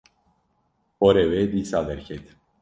Porê wê dîsa derket